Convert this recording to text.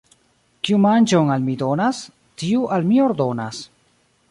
Kiu manĝon al mi donas, tiu al mi ordonas.